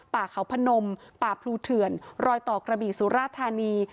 ป่าเขาพนมป่าพลูเถื่อนรอยต่อกระบี่สุราธานี